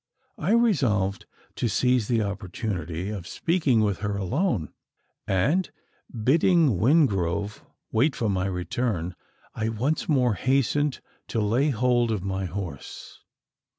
I resolved to seize the opportunity of speaking with her alone; and, bidding Wingrove wait for my return, I once more hastened to lay hold of my horse.